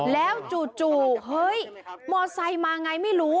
แล้วจู่เฮ้ยมอไซค์มาไงไม่รู้